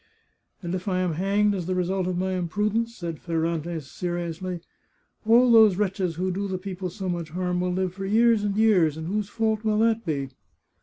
" And if I am hanged as the result of my imprudence," said Ferrante seriously, " all those wretches who do the people so much harm will live for years and years, and whose fault will that be